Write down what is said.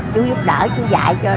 chú giúp đỡ chú dạy cho